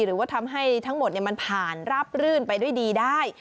หรือว่าทำให้ทั้งหมดมันผ่านราบรื่นไปด้วยดีได้